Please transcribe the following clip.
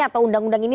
atau undang undang ini